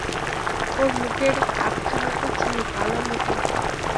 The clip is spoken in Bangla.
ওর মুখের আধখানাতে ছিল কালো মুখোশ।